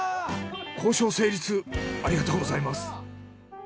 交渉成立ありがとうございます。